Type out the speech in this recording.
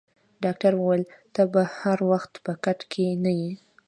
ډاکټر وویل: ته به هر وخت په کټ کې نه یې.